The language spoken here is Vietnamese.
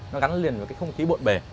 nó gắn liền với cái không khí bộn bề